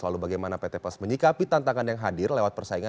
lalu bagaimana pt pos menyikapi tantangan yang hadir lewat persaingan